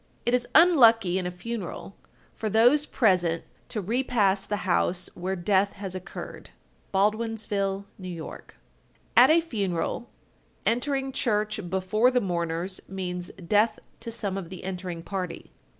It is unlucky in a funeral, for those present to repass the house where death has occurred. Baldwinsville, N.Y. 1256. At a funeral, entering church before the mourners means death to some of the entering party.